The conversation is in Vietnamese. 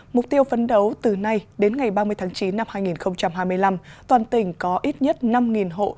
mục tiêu phấn đấu từ nay đến ngày ba mươi tháng chín năm hai nghìn hai mươi năm toàn tỉnh có ít nhất năm hộ